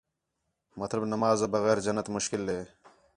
مطلب نماز آ بغیر جنّت مشکل ہِے